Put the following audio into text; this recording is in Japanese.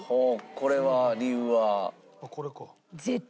これは理由は？